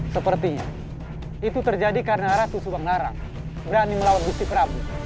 sepertinya itu terjadi karena ratu subang larang berani melawat gusti prabu